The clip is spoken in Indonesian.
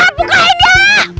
enggak buka enggak